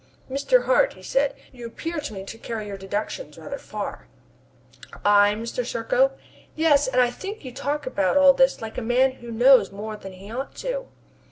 "Mr. Hart," he said, "you appear to me to carry your deductions rather far." "I, Mr. Serko?" "Yes, and I think you talk about all this like a man who knows more than he ought to."